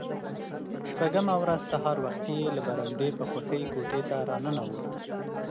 شپږمه ورځ سهار وختي له برنډې په خوښۍ کوټې ته را ننوت.